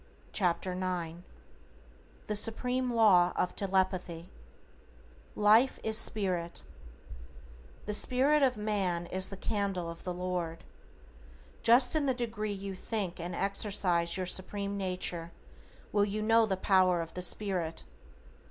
=Lesson Ninth= =THE SUPREME LAW OF TELEPATHY= =LIFE IS SPIRIT:= "The spirit of man is the candle of the Lord." Just in the degree you THINK AND EXERCISE your Supreme Nature will you know the Power of the Spirit.